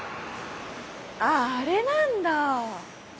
ああれなんだ！